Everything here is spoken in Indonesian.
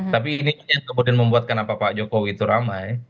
tapi ini yang kemudian membuat kenapa pak jokowi itu ramai